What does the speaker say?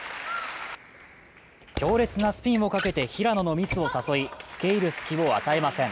強烈なスピンをかけて平野のミスを誘い付け入る隙を与えません。